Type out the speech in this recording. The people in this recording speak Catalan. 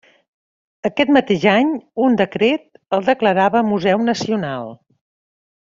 Aquest mateix any un decret el declarava Museu Nacional.